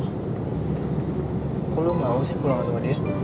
kok lu mau sih pulangin sama dia